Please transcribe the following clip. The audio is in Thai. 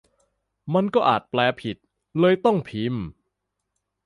มันก็อาจแปลผิด เลยต้องพิมพ์